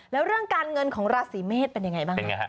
แล้วเรื่องการเงินของราศีเมษเป็นยังไงบ้าง